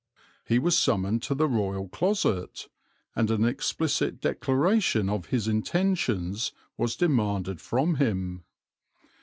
He was summoned to the Royal Closet; and an explicit declaration of his intentions was demanded from him.